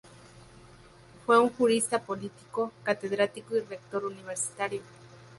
Fue un jurista, político, catedrático y rector universitario.